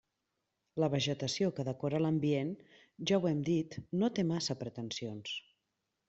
La vegetació que decora l'ambient, ja ho hem dit, no té massa pretensions.